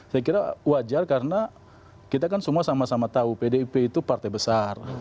saya kira wajar karena kita kan semua sama sama tahu pdip itu partai besar